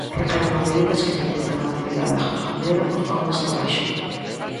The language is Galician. Reclaman medidas que permitan a actividade agrogandeira coa fauna salvaxe.